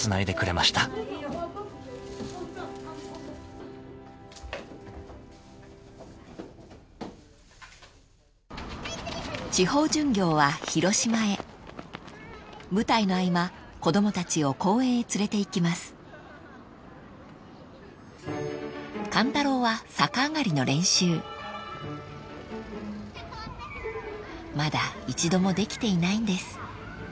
［まだ一度もできていないんです］